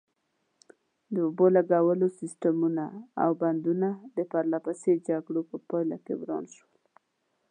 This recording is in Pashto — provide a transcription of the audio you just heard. د اوبو لګولو سیسټمونه او بندونه د پرلپسې جګړو په پایله کې وران شول.